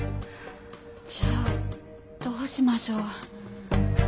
じゃあどうしましょう。